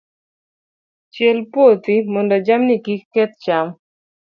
Chiel puothi mondo jamni kik keth cham.